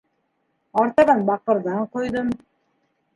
Артабан баҡырҙан ҡойҙом.